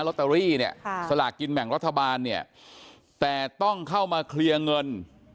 ตเตอรี่เนี่ยสลากกินแบ่งรัฐบาลเนี่ยแต่ต้องเข้ามาเคลียร์เงิน